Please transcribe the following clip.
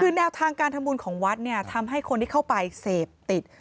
คือแนวทางการทำบุญของวัดเนี่ยทำให้คนที่เข้าไปเสพติด